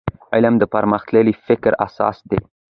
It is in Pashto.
علم د پرمختللي فکر اساس دی.